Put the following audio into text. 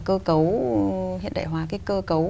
cơ cấu hiện đại hóa cái cơ cấu